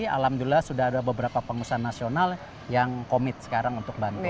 alhamdulillah sudah ada beberapa pengusaha nasional yang komit sekarang untuk bantu